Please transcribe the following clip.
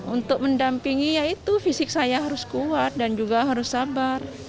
untuk mendampingi yaitu fisik saya harus kuat dan juga harus sabar